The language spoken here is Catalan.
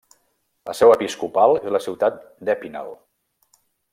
La seu episcopal és la ciutat d'Épinal.